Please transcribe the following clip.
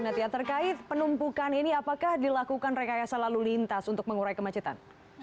natia terkait penumpukan ini apakah dilakukan rekayasa lalu lintas untuk mengurai kemacetan